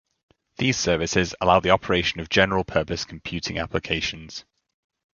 These services allow the operation of general purpose computing applications.